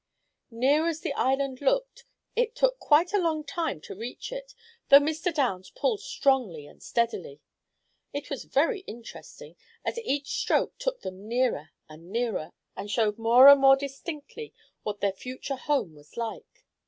Near as the island looked, it took quite a long time to reach it, though Mr. Downs pulled strongly and steadily. It was very interesting, as each stroke took them nearer and nearer, and showed more and more distinctly what their future home was like.